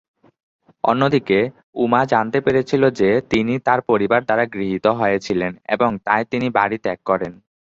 অন্যদিকে, উমা জানতে পেরেছিল যে তিনি তার পরিবার দ্বারা গৃহীত হয়েছিলেন এবং তাই তিনি বাড়ি ত্যাগ করেন।